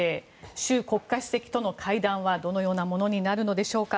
習国家主席との会談はどのようなものになるのでしょうか。